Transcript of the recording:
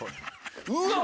うわっ